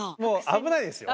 危ないですよ。